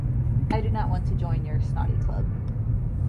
I do not want to join your snotty club.